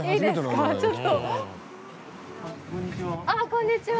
こんにちは。